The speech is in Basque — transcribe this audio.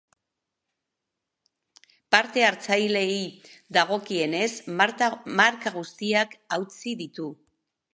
Parte hartzaileei dagokienez, marka guztiak hautsi ditu.